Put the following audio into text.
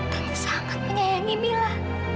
tante sangat menyayangi mila